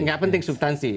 nggak penting substansi